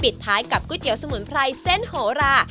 ท้ายกับก๋วยเตี๋ยวสมุนไพรเส้นโหรา